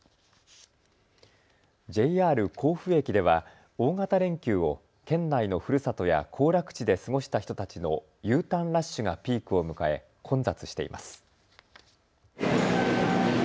ＪＲ甲府駅では大型連休を県内のふるさとや行楽地で過ごした人たちのＵターンラッシュがピークを迎え混雑しています。